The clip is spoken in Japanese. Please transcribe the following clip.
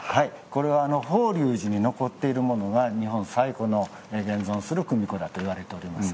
これは法隆寺に残っているものが日本最古の現存する組子だといわれております。